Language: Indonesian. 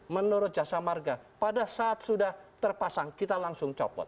menurut jasa marga pada saat sudah terpasang kita langsung copot